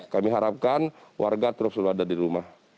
kami harapkan warga terus selalu ada di rumah